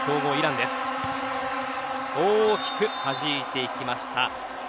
大きくはじいていきました。